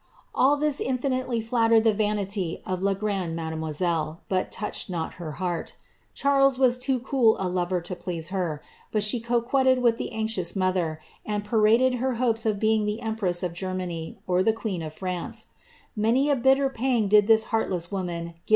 '' All this infinitely flattered the frande mademoiselle^ but touched not her heart Charles a lover to please her; but she coquetted with the anxious pareded her hopes of being the empress of Germany, or Pimnce. Many a bitter pang did this heartless woman give